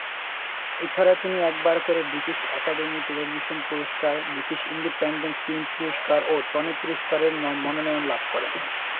এছাড়া তিনি একবার করে ব্রিটিশ একাডেমি টেলিভিশন পুরস্কার, ব্রিটিশ ইন্ডিপেন্ডেন্ট ফিল্ম পুরস্কার ও টনি পুরস্কারের মনোনয়ন লাভ করেন।